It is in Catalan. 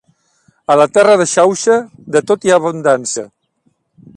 A la terra de Xauxa, de tot hi ha abundància.